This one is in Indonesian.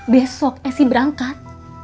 besok esi berangkat